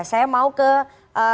saya mau ke